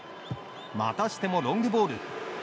またしてもロングボール。